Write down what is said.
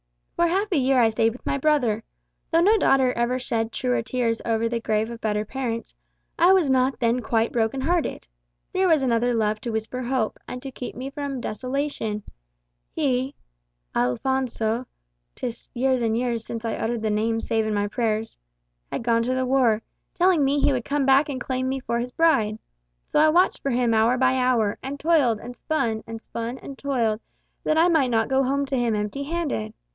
"For half a year I stayed with my brother. Though no daughter ever shed truer tears over the grave of better parents, I was not then quite broken hearted. There was another love to whisper hope, and to keep me from desolation. He Alphonso ('tis years and years since I uttered the name save in my prayers) had gone to the war, telling me he would come back and claim me for his bride. So I watched for him hour by hour, and toiled and spun, and spun and toiled, that I might not go home to him empty handed.